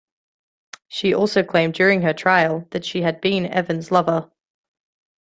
She also claimed during her trial that she had been Evans' lover.